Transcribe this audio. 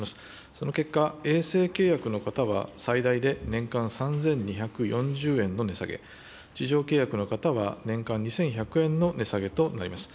その結果、衛星契約の方は最大で年間３２４０円の値下げ、地上契約の方は年間２１００円の値下げとなります。